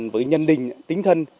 với nhân định tính thân